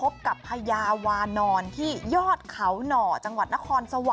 สัตว์ตาได้เฉียว